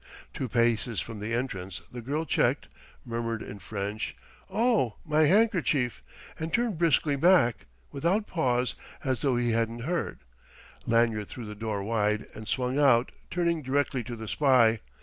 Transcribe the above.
Two paces from the entrance the girl checked, murmured in French, "Oh, my handkerchief!" and turned briskly back. Without pause, as though he hadn't heard, Lanyard threw the door wide and swung out, turning directly to the spy.